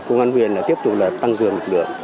công an huyền tiếp tục tăng cường lực lượng